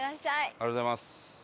ありがとうございます。